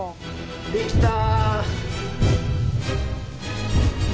できた！